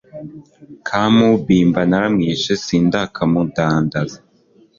ka Mubimba naramwishe sindakamudandaza